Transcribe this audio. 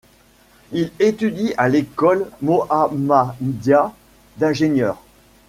Il étudie à l'École Mohammadia d'ingénieurs.